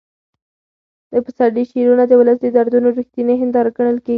د پسرلي شعرونه د ولس د دردونو رښتینې هنداره ګڼل کېږي.